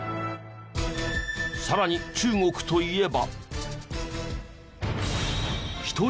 さらに中国といえば。